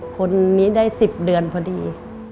คนนี้ได้๑๐เดือนพอดี